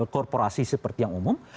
korporasi seperti yang umum